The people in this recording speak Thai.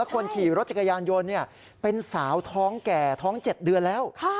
คนขี่รถจักรยานยนต์เป็นสาวท้องแก่ท้อง๗เดือนแล้ว